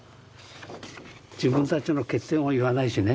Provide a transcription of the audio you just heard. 自分たちの欠点を言わないしね。